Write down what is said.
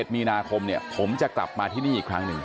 มีนาคมเนี่ยผมจะกลับมาที่นี่อีกครั้งหนึ่ง